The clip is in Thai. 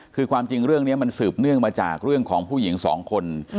คือความจริงเรื่องนี้มันสืบเนื่องมาจากเรื่องของผู้หญิงสองคน